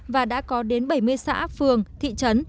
và đã có đến bảy mươi xã phường thị trấn